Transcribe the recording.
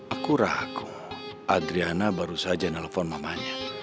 aku rahako adriana baru saja nelfon mamanya